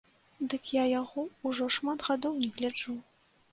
Дык я яго ўжо шмат гадоў не гляджу.